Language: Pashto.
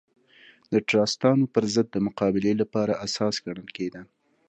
د ټراستانو پر ضد د مقابلې لپاره اساس ګڼل کېده.